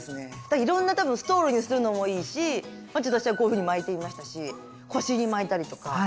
いろんな多分ストールにするのもいいし私はこういうふうに巻いてみましたし腰に巻いたりとかいろんな用途がありますよね。